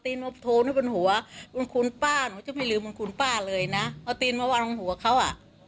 ตอนนั้นเค้าบอกนะว่าตัวเค้าก็คือซิมหรือว่าบอกเค้าว่าตอนนั้นเค้ามีองค์นู้นองค์นู้น